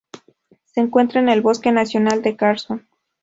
Se encuentra en el Bosque nacional de Carson.